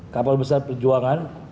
kapal besar perjuangan